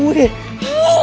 masa teriak ini gue